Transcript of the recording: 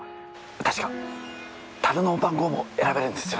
確か樽の番号も選べるんですよね？